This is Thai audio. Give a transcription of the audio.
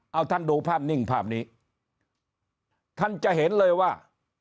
เอาท่านดูภาพนิ่งภาพนี้ท่านจะเห็นเลยว่า